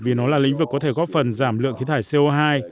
vì nó là lĩnh vực có thể góp phần giảm lượng khí thải co hai